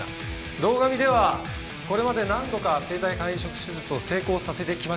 堂上ではこれまで何度か生体肝移植手術を成功させてきました。